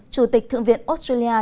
chủ tịch thượng viện australia